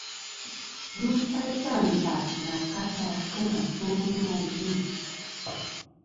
Ghɨ faytɨ àntas nɨ a kasa kɨ nà to nô ajuŋ.